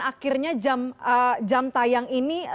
akhirnya jam tayang ini